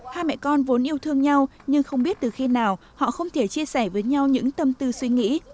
hai mẹ con vốn yêu thương nhau nhưng không biết từ khi nào họ không thể chia sẻ với nhau những tâm tư suy nghĩ